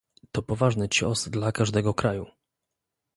To poważny cios dla każdego kraju